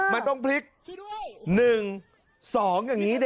มันต้องพลิก๑๒อย่างนี้